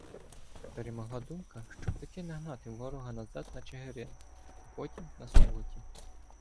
Перемогла думка, щоб таки нагнати ворога назад на Чигирин, а потім на Суботів.